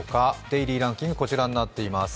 デイリーランキング、こちらになっています。